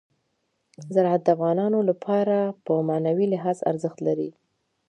زراعت د افغانانو لپاره په معنوي لحاظ ارزښت لري.